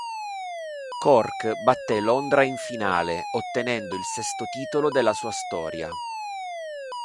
Cork batté Londra in finale, ottenendo il sesto titolo della sua storia.